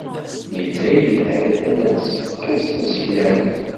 Yella yelha-d ala d tṣekka-s taseklant.